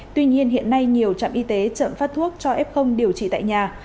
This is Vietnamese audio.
tuy nhiên hiện nay nhiều trạm y tế chậm phát thuốc cho f điều trị tại nhà